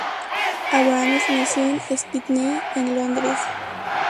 Abrahams nació en Stepney en Londres.